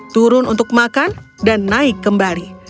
turun untuk makan dan naik kembali